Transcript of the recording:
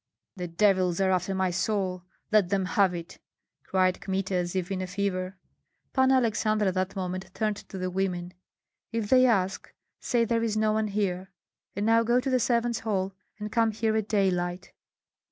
"The devils are after my soul; let them have it!" cried Kmita, as if in a fever. Panna Aleksandra that moment turned to the women. "If they ask, say there is no one here; and now go to the servants' hall and come here at daylight!"